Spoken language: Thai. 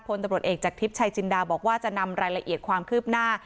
พลตำรวจเอกจากทิพย์ชัยจินดาบอกว่าจะนำรายละเอียดความคืบหน้า